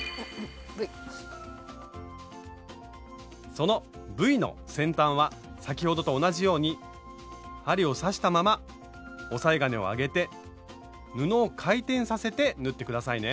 そのＶの先端は先ほどと同じように針を刺したまま押さえ金を上げて布を回転させて縫って下さいね。